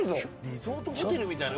リゾートホテルみたいな。